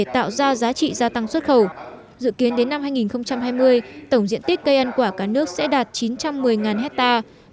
tạo ra giá trị gia tăng xuất khẩu dự kiến đến năm hai nghìn hai mươi tổng diện tích cây ăn quả cả nước sẽ đạt chín trăm một mươi hectare